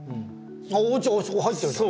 落ち葉あそこ入ってるじゃん。